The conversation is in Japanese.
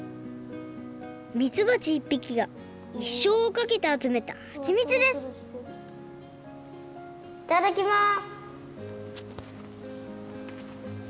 みつばち１匹がいっしょうをかけてあつめたはちみつですいただきます！